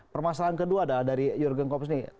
permasalahan kedua adalah dari jurgen klopp sendiri